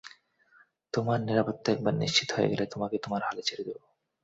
তোমার নিরাপত্তা একবার নিশ্চিত হয়ে গেলে, তোমাকে তোমার হালে ছেড়ে দিব।